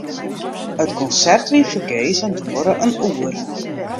It konsert wie fergees en duorre in oere.